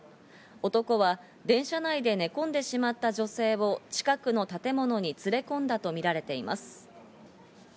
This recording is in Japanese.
男は電車内で寝込んでしまった女性を近くの建物に連れ込んだとみられています。